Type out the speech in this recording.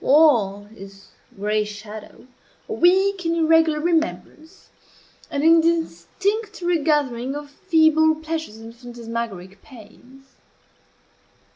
All is gray shadow a weak and irregular remembrance an indistinct regathering of feeble pleasures and phantasmagoric pains.